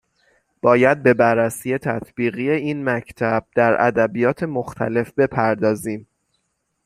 باید به بررسی تطبیقی این مکتب در ادبیات مختلف بپردازیم